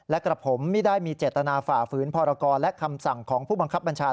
และกระผมไม่ได้มีเจตนาฝ่าฝืนพรกรและคำสั่งของผู้บังคับบัญชา